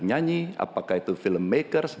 nyanyi apakah itu filmmakers